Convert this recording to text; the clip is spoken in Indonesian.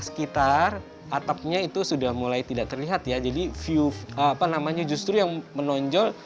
sekitar atapnya itu sudah mulai tidak terlihat ya jadi view apa namanya justru yang menonjol